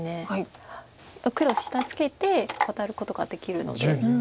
黒下ツケてワタることができるので。